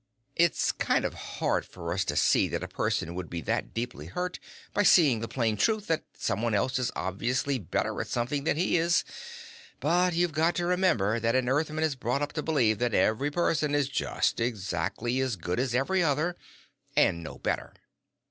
It's kind of hard for us to see that a person would be that deeply hurt by seeing the plain truth that someone else is obviously better at something than he is, but you've got to remember that an Earthman is brought up to believe that every person is just exactly as good as every other and no better.